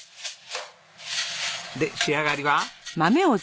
で仕上がりは？